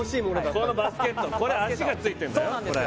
このバスケット脚がついてんだよ